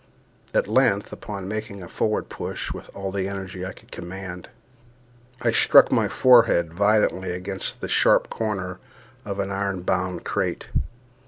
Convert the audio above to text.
At length, upon making a push forward with all the energy I could command, I struck my forehead violently against the sharp corner of an iron bound crate.